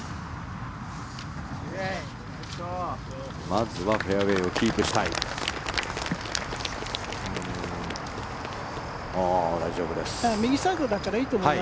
まずはフェアウェーをキープしたい。